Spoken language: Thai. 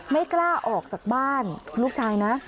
ไม่กล้าออกจากบ้านลูกชายนะ